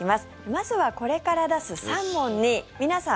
まずは、これから出す３問に皆さん